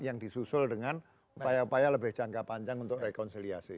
yang disusul dengan upaya upaya lebih jangka panjang untuk rekonsiliasi